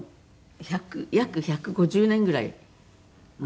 約１５０年ぐらい前。